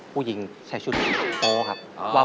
ผู้หญิงใส่ชุดเหลือโป๊ครับ